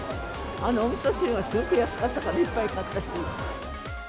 おみそ汁がすごく安かったから、いっぱい買ったし。